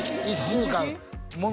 １週間物